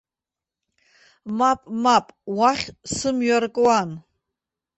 Мап, мап, уахь сымҩа ркуан!